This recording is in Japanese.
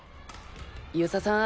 遊佐さん